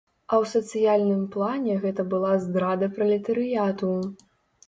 А ў сацыяльным плане гэта была здрада пралетарыяту.